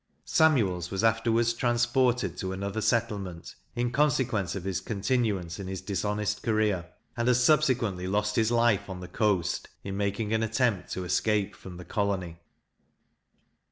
Samuels was afterwards transported to another settlement, in consequence of his continuance in his dishonest career, and has subsequently lost his life on the coast, in making an attempt to escape from the colony.